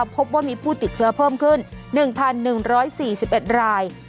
พบว่ามีผู้ติดเชื้อเพิ่มขึ้น๑๑๔๑ราย